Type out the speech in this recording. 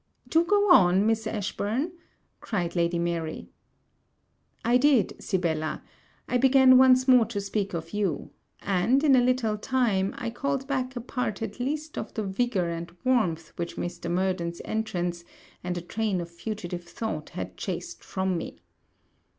'Do go on, Miss Ashburn,' cried Lady Mary. I did, Sibella, I began once more to speak of you; and, in a little time, I called back a part at least of the vigour and warmth which Murden's entrance and a train of fugitive thought had chased from me.